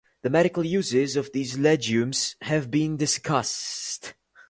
Medical uses of these legumes have been discussed.